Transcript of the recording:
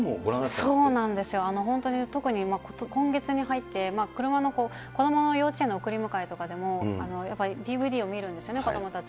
そうなんですよ、本当に特に今月に入って車の子どもの幼稚園の送り迎えとかでも、やっぱりＤＶＤを見るんですよね、子どもたち。